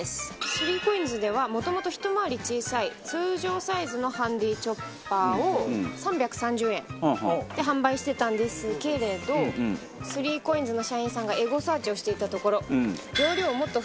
３ＣＯＩＮＳではもともとひと回り小さい通常サイズのハンディーチョッパーを３３０円で販売してたんですけれど３ＣＯＩＮＳの社員さんがエゴサーチをしていたところ。